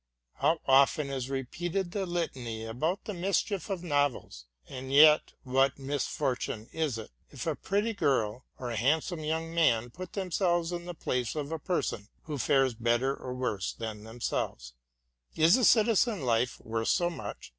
How often is repeated the litany about the mischief of 64 TRUTH AND FICTION novels! and yet what misfortune is it if a pretty girl or a handsome young man put themselves in the place of a person who fares better or worse than themselves? Is the citizen life worth so much?